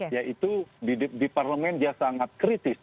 yaitu di parlemen dia sangat kritis